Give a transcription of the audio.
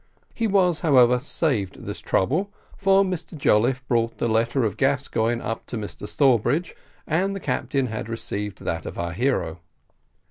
He was, however, saved this trouble, for Mr Jolliffe brought the letter of Gascoigne up to Mr Sawbridge, and the captain had received that of our hero.